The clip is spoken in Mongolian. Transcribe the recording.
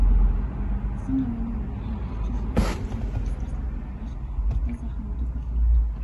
Цусан гавьяаны өмнөхөн, өдөржин, шөнөжин ширүүн бороо асгарсны маргааш нартай сайхан өдөр болов.